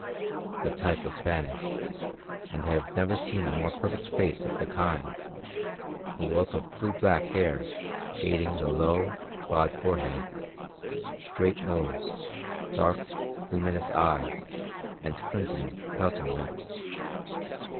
The type was Spanish, and I have never seen a more perfect face of the kind; a wealth of blue black hair shading the low, broad forehead, straight nose, dark, luminous eyes, and crimson, pouting lips.